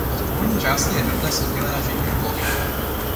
Od původní části je dnes oddělena živým plotem.